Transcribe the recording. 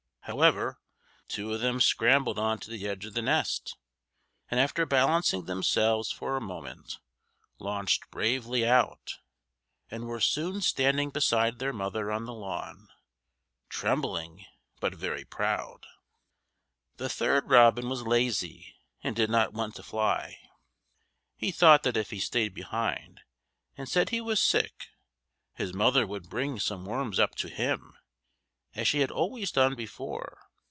However, two of them scrambled on to the edge of the nest, and after balancing themselves for a moment, launched bravely out, and were soon standing beside their mother on the lawn, trembling, but very proud. The third robin was lazy, and did not want to fly. He thought that if he stayed behind and said he was sick, his mother would bring some worms up to him, as she had always done before.